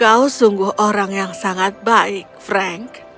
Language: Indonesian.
kau sungguh orang yang sangat baik frank